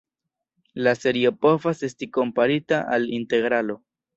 La serio povas esti komparita al integralo.